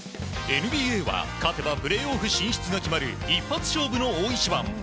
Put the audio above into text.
ＮＢＡは勝てばプレーオフ進出が決まる一発勝負の大一番。